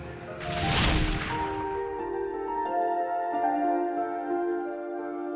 bapak apa yang kamu lakukan